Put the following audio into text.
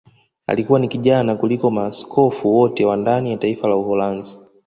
Alikuwa ni kijana kuliko maaskofu wote wa ndani ya taifa la Uholanzi